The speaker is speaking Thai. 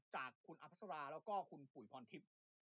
จากคุณอาพัศราแล้วก็คุณปุ๋ยพรทิพย์